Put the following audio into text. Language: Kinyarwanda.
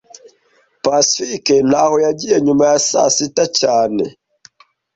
Pacifique ntaho yagiye nyuma ya saa sita cyane